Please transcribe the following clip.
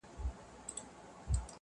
کلي چوپتيا کي ژوند کوي